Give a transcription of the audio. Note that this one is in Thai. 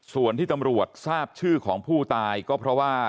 ส่วนที่ตำรวจทราบชื่อของผู้ตายก็เพราะว่า